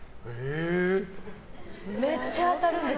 めっちゃ当たるんです。